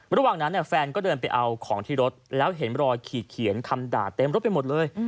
ระหว่างนั้นแฟนก็เดินไปเอาของที่รถแล้วเห็นรอยขีดเขียนคำด่าเต็มรถไปหมดเลย